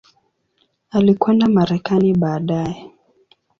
Alikwenda Marekani baadaye.